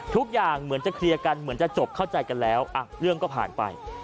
ทุกอย่างเหมือนจะเคลียร์กันเหมือนจะจบเข้าใจกันแล้วเรื่องก็ผ่านไป